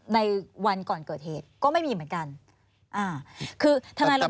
ในวันก่อนเกิดเหตุก็ไม่มีเหมือนกัน